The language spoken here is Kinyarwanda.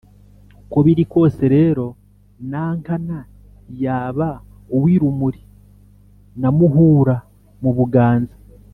uko biri kose rero, nankana yaba uw'i rumuli na muhura mu buganza,